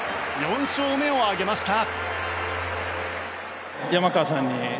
４勝目を挙げました。